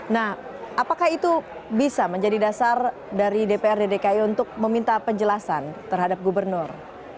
nah apakah itu bisa menjadi dasar dari dprd dki untuk meminta penjelasan terhadap gubernur